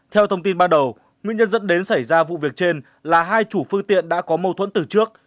theo thông tin ban đầu nguyên nhân dẫn đến xảy ra vụ việc trên là hai chủ phương tiện đã có mâu thuẫn từ trước